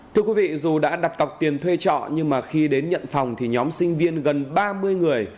thưa quý vị dù đã đặt cọc tiền thuê trọ nhưng mà khi đến nhận phòng thì nhóm sinh viên gần ba mươi người